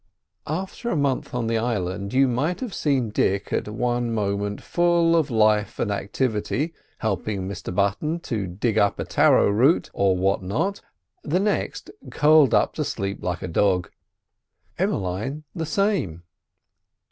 After a month on the island you might have seen Dick at one moment full of life and activity, helping Mr Button to dig up a taro root or what not, the next curled up to sleep like a dog. Emmeline the same.